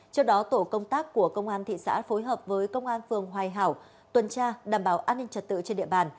trước đó tổ công tác của công an thị xã phối hợp với công an phường hoài hảo tuần tra đảm bảo an ninh trật tự trên địa bàn